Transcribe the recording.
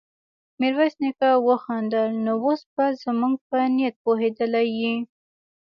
ميرويس نيکه وخندل: نو اوس به زموږ په نيت پوهېدلی يې؟